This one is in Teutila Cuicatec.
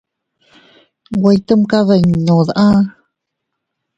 Nwe ytumkadinnu de aʼa.